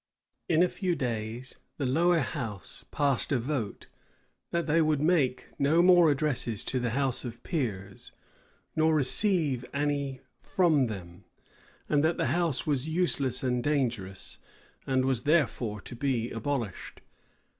In a few days, the lower house passed a vote, that they would make no more addresses to the house of peers nor receive any front them; and that that house was useless and dangerous, and was therefore to be abolished.